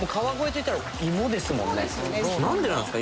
何でなんすか？